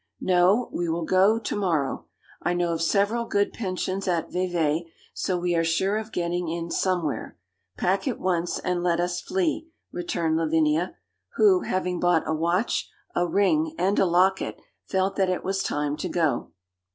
'No: we will go to morrow. I know of several good pensions at Vevey, so we are sure of getting in somewhere. Pack at once, and let us flee,' returned Lavinia, who, having bought a watch, a ring, and a locket, felt that it was time to go.